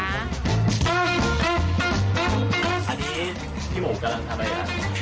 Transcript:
อันนี้พี่หมูกำลังทำอะไรคะ